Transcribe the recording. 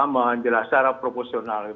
menjelaskan secara profesional